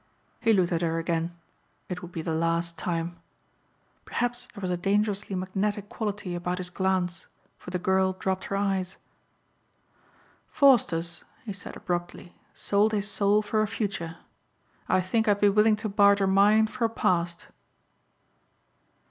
He looked at her again. It would be the last time. Perhaps there was a dangerously magnetic quality about his glance for the girl dropped her eyes. "Faustus," he said abruptly, "sold his soul for a future. I think I'd be willing to barter mine for a past."